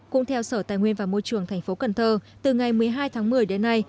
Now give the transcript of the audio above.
cũng theo sở tài nguyên và môi trường tp cn từ ngày một mươi hai tháng một mươi đến nay